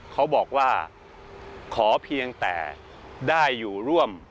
เขาบอกว่าขอเพียงแต่ได้อยู่ร่วม